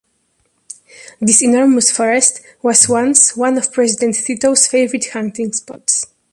This enormous forest was once one of President Tito's favorite hunting spots.